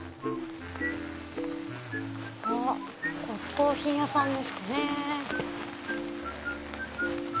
あっ骨董品屋さんですかね。